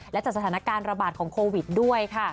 และจากสถานการณ์ระบาดของโควิดด้วยค่ะ